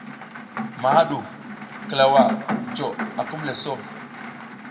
Maha ɗu klawa jo akumle so.